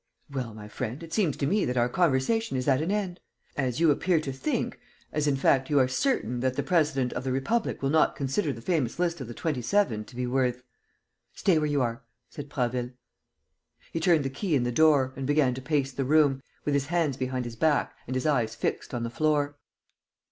"Well, my friend, it seems to me that our conversation is at an end. As you appear to think, as, in fact, you are certain that the president of the Republic will not consider the famous list of the Twenty seven to be worth...." "Stay where you are," said Prasville. He turned the key in the door and began to pace the room, with his hands behind his back and his eyes fixed on the floor.